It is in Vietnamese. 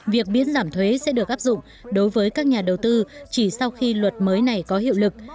việc miễn giảm thuế sẽ được áp dụng đối với các nhà đầu tư chỉ sau khi luật mới này có hiệu lực